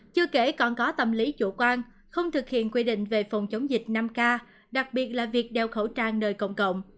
chưa kể còn có tâm lý chủ quan không thực hiện quy định về phòng chống dịch năm k đặc biệt là việc đeo khẩu trang nơi công cộng